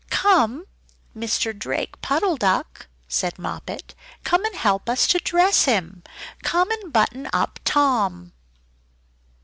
"Come! Mr. Drake Puddle Duck," said Moppet "Come and help us to dress him! Come and button up Tom!"